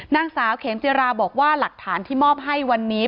นางสาวเขมจิราบอกว่าหลักฐานที่มอบให้วันนี้